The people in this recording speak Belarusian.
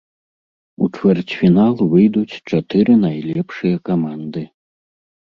У чвэрцьфінал выйдуць чатыры найлепшыя каманды.